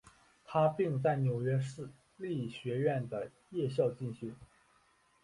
他并在纽约市立学院的夜校进修。